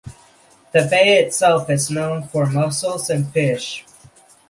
The bay itself is known for mussels and fish.